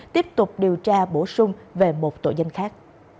tiếp tục điều tra bổ sung về một tội danh khác